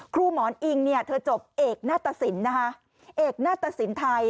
หมอนอิงเนี่ยเธอจบเอกหน้าตสินนะคะเอกหน้าตสินไทย